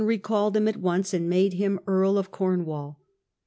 recalled him at once and made him Earl of Cornwall.